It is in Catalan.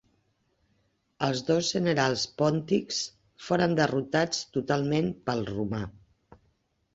Els dos generals pòntics foren derrotats totalment pel romà.